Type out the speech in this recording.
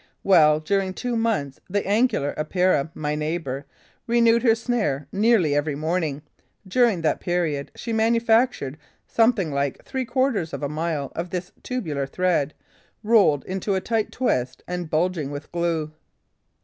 Well, during two months, the Angular Epeira, my neighbour, renewed her snare nearly every evening. During that period, she manufactured something like three quarters of a mile of this tubular thread, rolled into a tight twist and bulging with glue.